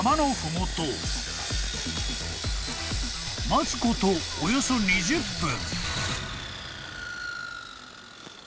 ［待つことおよそ２０分］